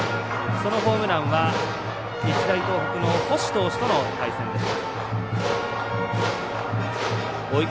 そのホームランは日大東北の星との対戦でした。